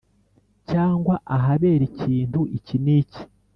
cyangwa ahabera ikintu iki n’iki.